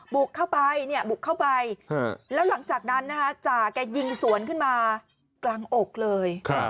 บุกเข้าไปเนี่ยบุกเข้าไปแล้วหลังจากนั้นนะคะจ่าแกยิงสวนขึ้นมากลางอกเลย